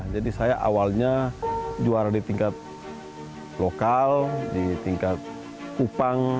jadi saya awalnya juara di tingkat lokal di tingkat kupang